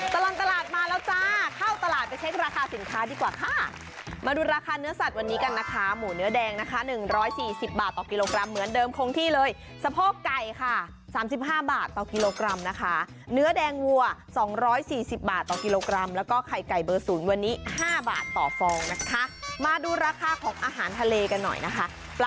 ตลอดตลาดมาแล้วจ้าเข้าตลาดไปเช็คราคาสินค้าดีกว่าค่ะมาดูราคาเนื้อสัตว์วันนี้กันนะคะหมูเนื้อแดงนะคะ๑๔๐บาทต่อกิโลกรัมเหมือนเดิมคงที่เลยสะโพกไก่ค่ะ๓๕บาทต่อกิโลกรัมนะคะเนื้อแดงวัว๒๔๐บาทต่อกิโลกรัมแล้วก็ไข่ไก่เบอร์ศูนย์วันนี้๕บาทต่อฟองนะคะมาดูราคาของอาหารทะเลกันหน่อยนะคะ